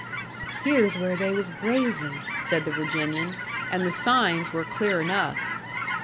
"Here's where they was grazing," said the Virginian; and the signs were clear enough.